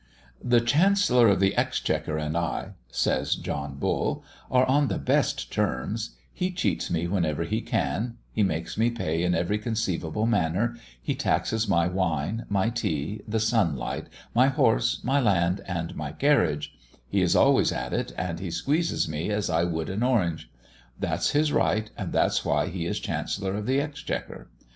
"The Chancellor of the Exchequer and I" says John Bull "are on the best terms; he cheats me whenever he can; he makes me pay in every conceivable manner; he taxes my wine, my tea, the sunlight, my horse, my land, and my carriage; he is always at it, and he squeezes me as I would an orange. That's his right, and that's why he is Chancellor of the Exchequer.